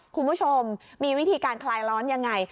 คุณผู้ชมมีวิธีการคลายร้อนยังไง